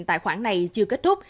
tài khoản này chưa kết thúc